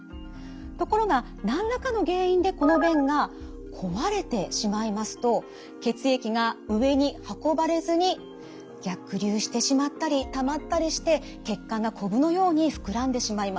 ところが何らかの原因でこの弁が壊れてしまいますと血液が上に運ばれずに逆流してしまったりたまったりして血管がこぶのように膨らんでしまいます。